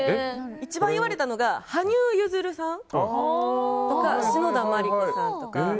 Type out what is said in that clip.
一番言われたのが羽生結弦さんとか篠田麻里子さんとか。